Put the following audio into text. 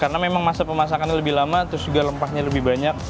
karena memang masa pemasakannya lebih lama terus juga rempahnya lebih banyak